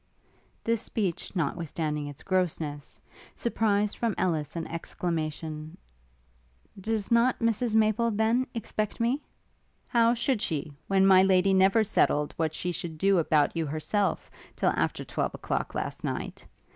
This speech, notwithstanding its grossness, surprised from Ellis an exclamation, 'Does not Mrs Maple, then, expect me?' 'How should she, when my lady never settled what she should do about you herself, till after twelve o'clock last night?